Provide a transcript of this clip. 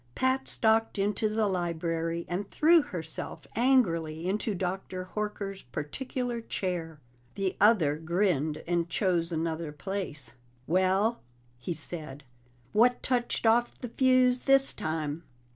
Pat stalked into the library and threw herself angrily into Dr. Horker's particular chair. The other grinned, and chose another place. "Well," he said, "What touched off the fuse this time?"